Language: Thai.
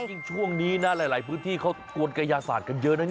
จริงช่วงนี้นะหลายพื้นที่เขากวนกระยาศาสตร์กันเยอะนะ